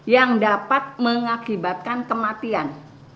yang dapat mengakibatkan kematian